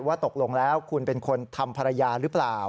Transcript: ตกลงแล้วคุณเป็นคนทำภรรยาหรือเปล่า